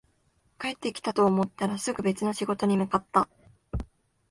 帰ってきたと思ったら、すぐに別の仕事に向かった